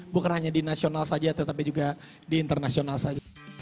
bukan hanya di nasional saja tetapi juga di internasional saja